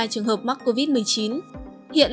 trường hợp mắc covid một mươi chín hiện